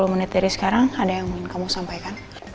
sepuluh menit dari sekarang ada yang ingin kamu sampaikan